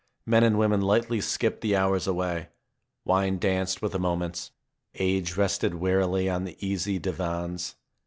Men and women lightly skipped the hours away. Wine danced with the moments. Age rested wearily on the easy divans.